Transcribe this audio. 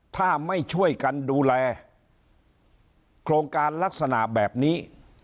ถ้าไม่ช่วยกันดูแลโครงการลักษณะแบบนี้